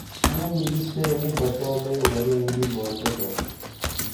موں ملی سے نی بسالے ورے ملی بسی گا